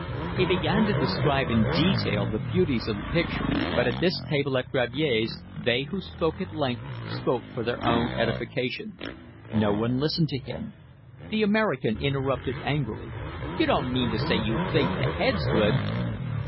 He began to describe in detail the beauties of the picture, but at this table at Gravier's they who spoke at length spoke for their own edification. No one listened to him. The American interrupted angrily. "You don't mean to say you think the head's good?"